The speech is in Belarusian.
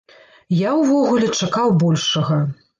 Я ўвогуле чакаў большага.